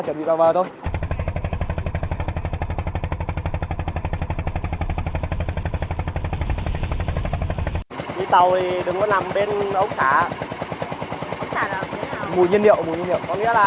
có biển động ko mấy ông ấy